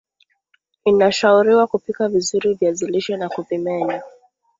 inashauriwa kupika vizuri viazi lishe na kuvimenya